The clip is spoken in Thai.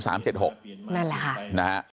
นั่นแหละค่ะ